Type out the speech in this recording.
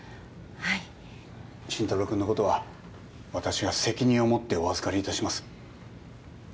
はい慎太郎くんのことは私が責任を持ってお預かり致します